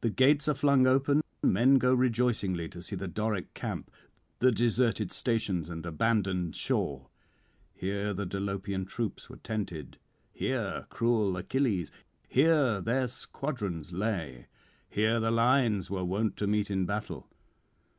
The gates are flung open; men go rejoicingly to see the Doric camp, the deserted stations and abandoned shore. Here the Dolopian troops were tented, here cruel Achilles; here their squadrons lay; here the lines were wont to meet in battle.